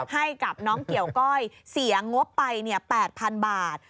ให้กับน้องเกี่ยวก้อยเสียงบไป๘๐๐๐บาท